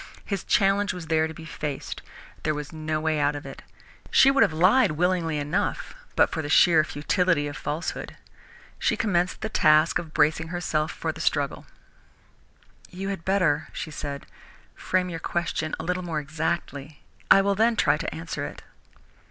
His challenge was there to be faced. There was no way out of it. She would have lied willingly enough but for the sheer futility of falsehood. She commenced the task of bracing herself for the struggle. "You had better," she said, "frame your question a little more exactly. I will then try to answer it."